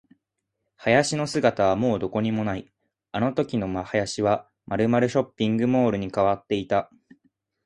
林の姿はもうどこにもない。あのときの林はまるまるショッピングモールに変わっていた。